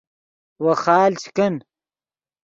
ویخال چے کن